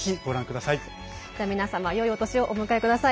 皆様よいお年をお迎えください。